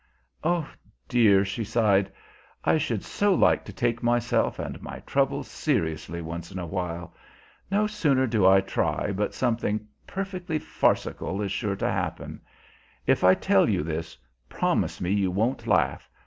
"Oh, dear!" she sighed, "I should so like to take myself and my troubles seriously once in a while. No sooner do I try, but something perfectly farcical is sure to happen. If I tell you this, promise me you won't laugh.